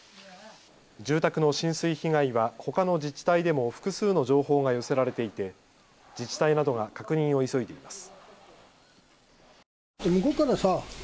住宅の浸水被害はほかの自治体でも複数の情報が寄せられていて自治体などが確認を急いでいます。